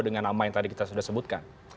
dengan nama yang tadi kita sudah sebutkan